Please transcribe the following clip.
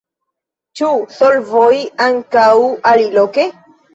Ĉu solvoj ankaŭ aliloke?